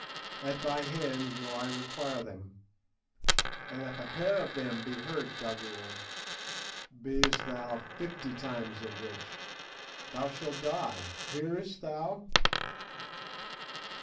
At thy hands will I require them, and if a hair of them be hurt, Gagool, be'st thou fifty times a witch, thou shalt die. Hearest thou?"